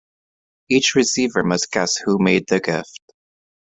Each receiver must guess who made the gift.